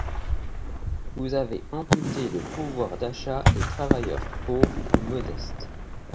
Vous avez amputé le pouvoir d’achat des travailleurs pauvres ou modestes.